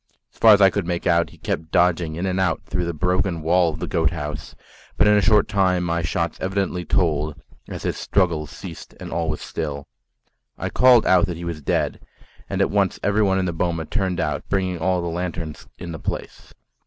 As far as I could make out, he kept dodging in and out through the broken wall of the goat house; but in a short time my shots evidently told, as his struggles ceased and all was still. I called out that he was dead, and at once everyone in the boma turned out, bringing all the lanterns in the place.